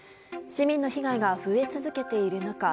市民の被害が増え続けている中